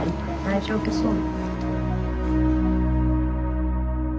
大丈夫そう。